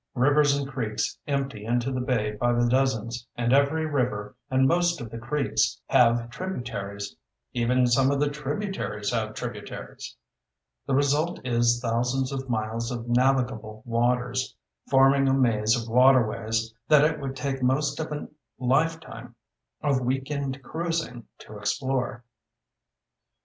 Rivers and creeks empty into the bay by the dozens, and every river, and most of the creeks, have tributaries. Even some of the tributaries have tributaries. The result is thousands of miles of navigable waters, forming a maze of waterways that it would take most of a lifetime of weekend cruising to explore.